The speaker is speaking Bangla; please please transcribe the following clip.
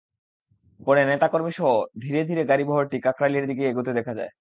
পরে নেতা কর্মীসহ ধীরে ধীরে গাড়িবহরটি কাকরাইলের দিতে এগোতে দেখা যায়।